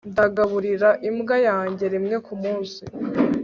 ndagaburira imbwa yanjye rimwe kumunsi